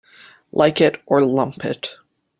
Like it or lump it.